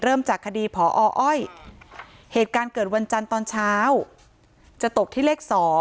จากคดีพออ้อยเหตุการณ์เกิดวันจันทร์ตอนเช้าจะตกที่เลข๒